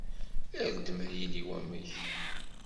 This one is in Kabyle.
Err-d ma yili wamek.